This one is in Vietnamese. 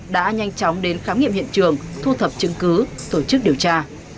vào hiện trường thu thập chứng cứ tổ chức điều tra